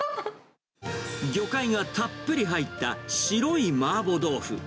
魚介がたっぷり入った白い麻婆豆腐。